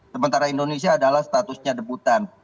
sementara indonesia adalah statusnya debutan